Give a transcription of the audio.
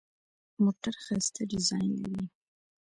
موټر ښایسته ډیزاین لري.